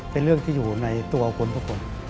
เป็นเรื่องที่อยู่ในตัวคนทุกคน